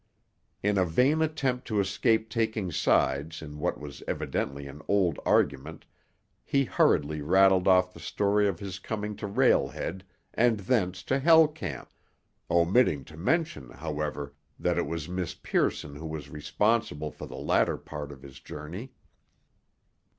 In a vain attempt to escape taking sides in what was evidently an old argument he hurriedly rattled off the story of his coming to Rail Head and thence to Hell Camp, omitting to mention, however, that it was Miss Pearson who was responsible for the latter part of his journey.